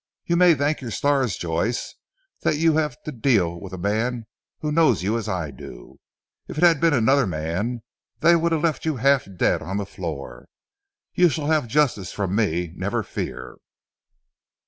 You may thank your stars Joyce that you have to deal with a man who knows you as I do. If it had been another man, they would have left you half dead on the floor. You shall have justice from me, never fear."